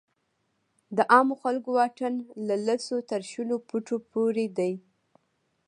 د عامو خلکو واټن له لسو تر شلو فوټو پورې دی.